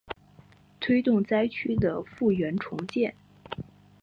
推动灾区的复原重建